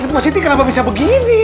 mas siti kenapa bisa begini